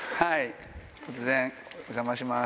突然お邪魔します。